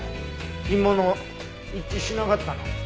干物一致しなかったの。